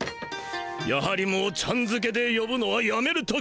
やはりもうちゃんづけでよぶのはやめる時。